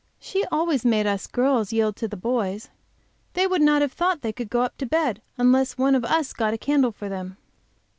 She always made us girls yield to the boys. They would not have thought they could go up to bed unless one of us got a candle for them."